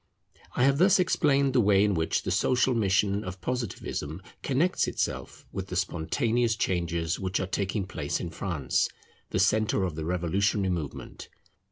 I have thus explained the way in which the social mission of Positivism connects itself with the spontaneous changes which are taking place in France, the centre of the revolutionary movement.